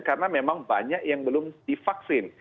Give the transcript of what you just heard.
karena memang banyak yang belum divaksin